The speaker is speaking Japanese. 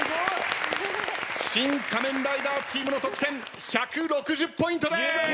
シン・仮面ライダーチームの得点１６０ポイントです。